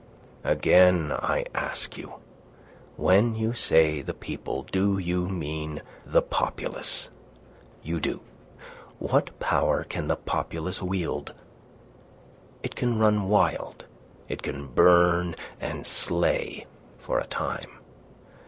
"Again I ask you, when you say the people do you mean the populace? You do. What power can the populace wield? It can run wild. It can burn and slay for a time.